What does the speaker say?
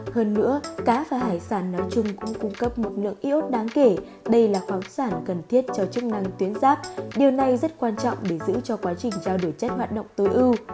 hơn nữa cá và hải sản nói chung cũng cung cấp một lượng iốt đáng kể đây là khoáng sản cần thiết cho chức năng tuyến giáp điều này rất quan trọng để giữ cho quá trình trao đổi chất hoạt động tối ưu